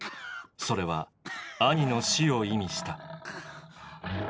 それは「兄」の死を意味した。